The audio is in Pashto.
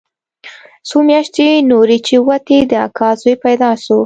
څو مياشتې نورې چې ووتې د اکا زوى پيدا سو.